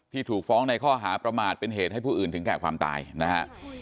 ถูกฟ้องในข้อหาประมาทเป็นเหตุให้ผู้อื่นถึงแก่ความตายนะฮะ